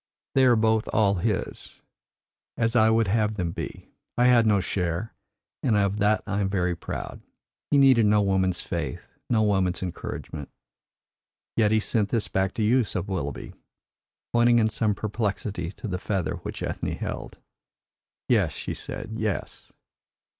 They are both all his, as I would have them be. I had no share, and of that I am very proud. He needed no woman's faith, no woman's encouragement." "Yet he sent this back to you," said Willoughby, pointing in some perplexity to the feather which Ethne held. "Yes," she said, "yes.